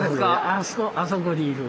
あそこあそこにいる。